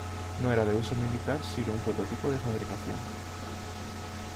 No era de uso militar sino un prototipo de fabricación.